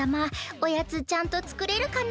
おやつちゃんとつくれるかな？